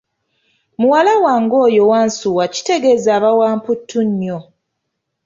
Muwala wange oyo wansuwa kitegeza aba wa mputtu nnyo.